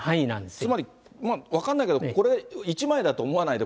つまり、分かんないけど、これ、１枚だと思わないで、